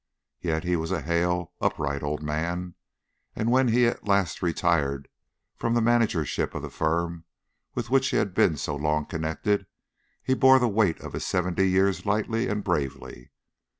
Yet he was a hale and upright old man, and when he at last retired from the manager ship of the firm with which he had been so long connected, he bore the weight of his seventy years lightly and bravely.